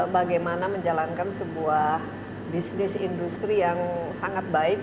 bagaimana menjalankan sebuah bisnis industri yang sangat baik